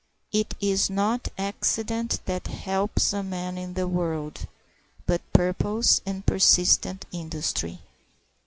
It is not accident that helps a man in the world, but purpose and persistent industry.